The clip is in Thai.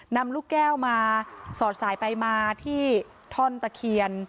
นำลูกแก้วมาสอดสายไปมาที่ท่อนตะเคียน